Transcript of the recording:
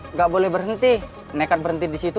nggak boleh berhenti nekat berhenti disitu